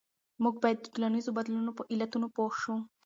موږ باید د ټولنیزو بدلونونو په علتونو پوه شو.